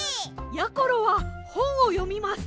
やころはほんをよみます。